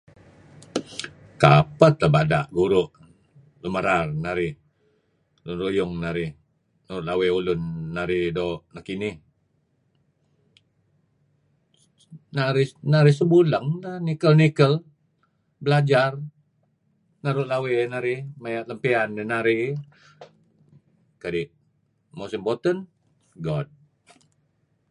Kapeh tebada' guru' lun merar narih lun ruyung narih nuru' lawey ulun narih doo'. Kinih narihnarih sebuleng nikel-nikel belajar naru' lawey narih kapeh piyan narih kadi most important God.